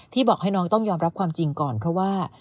บอกให้น้องต้องยอมรับความจริงก่อนเพราะว่า